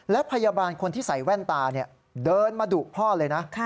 และพยาบาลคนที่ใส่แว่นตาเดินมาดุพ่อเลยนะ